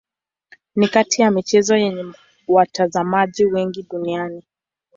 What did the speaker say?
Ni kati ya michezo yenye watazamaji wengi duniani.